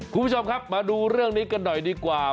คุณผู้ชมครับมาดูเรื่องนี้กันหน่อยดีกว่า